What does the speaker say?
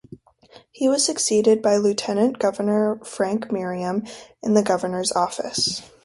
He was succeeded by Lieutenant Governor Frank Merriam in the Governor's Office.